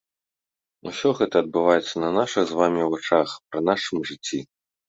Усё гэта адбываецца на нашых з вамі вачах, пры нашым жыцці.